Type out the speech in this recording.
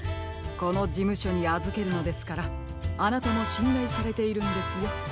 このじむしょにあずけるのですからあなたもしんらいされているんですよブラウン。